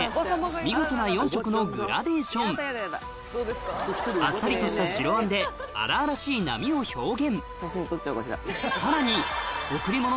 見事な４色のグラデーションあっさりとした白あんで荒々しい波を表現